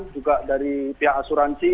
juga dari pihak asuransi